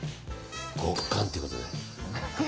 極寒ということで。